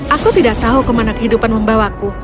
aku tidak tahu kemana kehidupan membawaku